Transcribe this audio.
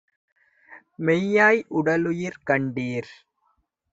மெய்யாய் உடலுயிர் கண்டீர்!